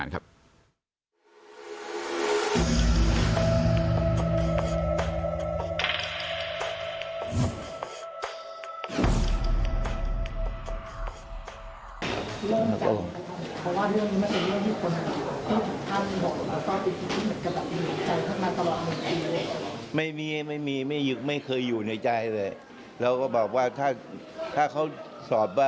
ติดตามเรื่องนี้จากรายงานครับ